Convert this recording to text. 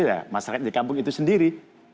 ya masyarakat di kampung itu sendiri